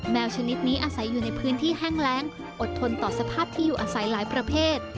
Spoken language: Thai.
ชนิดนี้อาศัยอยู่ในพื้นที่แห้งแรงอดทนต่อสภาพที่อยู่อาศัยหลายประเภท